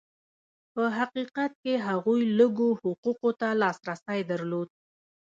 په حقیقت کې هغوی لږو حقوقو ته لاسرسی درلود.